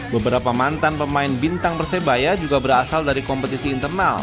beberapa mantan pemain bintang persebaya juga berasal dari kompetisi internal